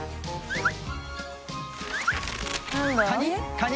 カニ？